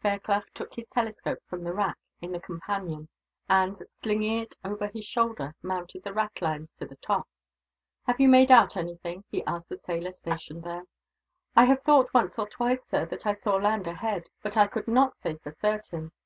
Fairclough took his telescope from the rack in the companion and, slinging it over his shoulder, mounted the ratlines to the top. "Have you made out anything?" he asked the sailor stationed there. "I have thought, once or twice, sir, that I saw land ahead; but I could not say for certain.